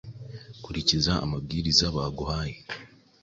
kurikiza amabwiriza baguhaye